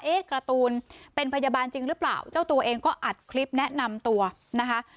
การ์ตูนเป็นพยาบาลจริงหรือเปล่าเจ้าตัวเองก็อัดคลิปแนะนำตัวนะคะ